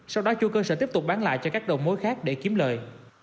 sau đó chủ cơ sở tiếp tục bán lại cho các đồng mối khác để kiếm lời